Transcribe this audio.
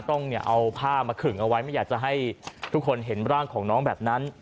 ต้องเอาผ้ามาขึงเอาไว้ไม่อยากจะให้ทุกคนเห็นร่างของน้องแบบนั้น